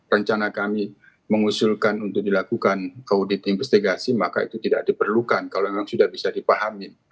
rencana kami mengusulkan untuk dilakukan audit investigasi maka itu tidak diperlukan kalau memang sudah bisa dipahami